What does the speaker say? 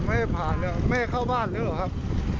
ไม่ให้ผ่านแล้วไม่ให้เข้าบ้านแล้วเหรอครับ